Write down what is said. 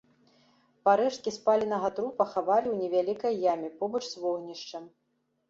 Парэшткі спаленага трупа хавалі ў невялікай яме побач з вогнішчам.